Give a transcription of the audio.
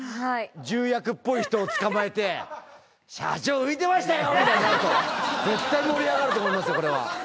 重役っぽい人をつかまえて、社長、浮いてましたよみたいになると、絶対盛り上がると思います、これは。